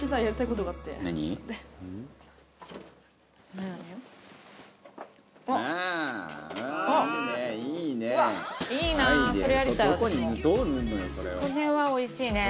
これはおいしいね。